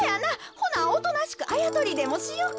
ほなおとなしくあやとりでもしよか。